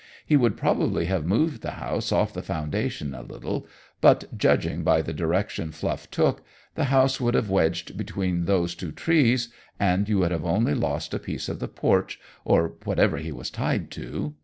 He would probably have moved the house off the foundation a little, but, judging by the direction Fluff took, the house would have wedged between those two trees, and you would have only lost a piece of the porch, or whatever he was tied to.